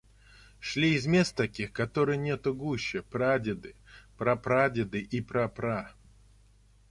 Шли из мест таких, которых нету глуше, — прадеды, прапрадеды и пра пра пра!..